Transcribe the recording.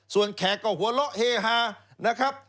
ส่วนแขกก็หัวเหลาะเฮฮา